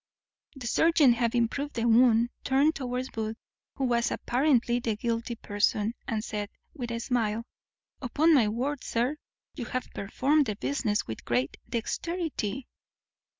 The surgeon having probed the wound, turned towards Booth, who was apparently the guilty person, and said, with a smile, "Upon my word, sir, you have performed the business with great dexterity."